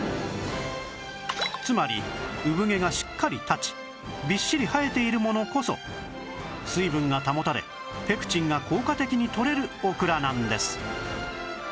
つまりうぶ毛がしっかり立ちびっしり生えているものこそ水分が保たれペクチンが効果的にとれるオクラなんです